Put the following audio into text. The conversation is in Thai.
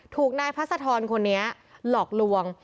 ถูกนายพระสะทรคนเนี้ยหลอกลวง